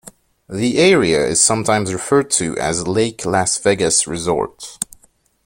The area is sometimes referred to as the "Lake Las Vegas Resort".